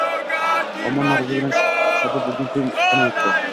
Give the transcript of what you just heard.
Omma noroziligiga sabab bo‘lgan to‘y qanday o‘tdi?